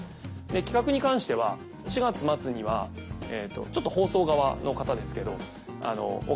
企画に関しては４月末には放送側の方ですけど。